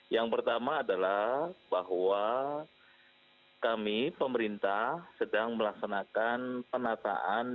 yang pertama adalah bahwa kami pemerintah sedang melaksanakan penataan